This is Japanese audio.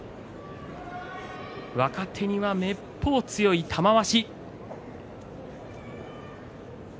若手には、めっぽう強い玉鷲。